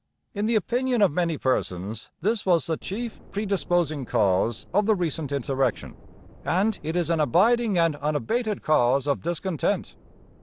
In the opinion of many persons, this was the chief predisposing cause of the recent insurrection, and it is an abiding and unabated cause of discontent.'